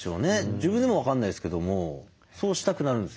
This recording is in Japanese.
自分でも分かんないですけどもそうしたくなるんですよ。